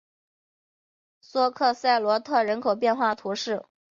索克塞罗特人口变化图示